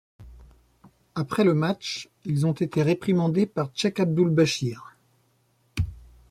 Après le match, ils ont été réprimandés par Sheik Abdul Bashir.